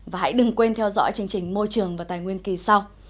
và hãy đừng quên theo dõi chương trình môi trường và tài nguyên kỳ sau